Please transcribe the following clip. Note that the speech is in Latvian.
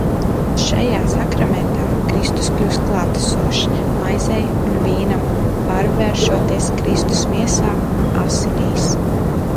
Šajā sakramentā Kristus kļūst klātesošs, maizei un vīnam pārvēršoties Kristus Miesā un Asinīs.